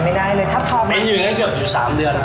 มันอยู่อย่างนั้นเกือบ๓เดือน